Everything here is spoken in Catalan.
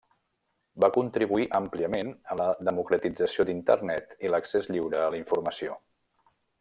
Va contribuir àmpliament a la democratització d'Internet i l'accés lliure a la informació.